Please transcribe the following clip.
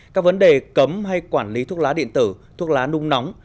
các vấn đề cấm hay quản lý thuốc lá điện tử thuốc lá nung nóng